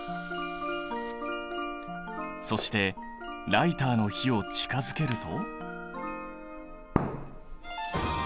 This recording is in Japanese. そしてライターの火を近づけると。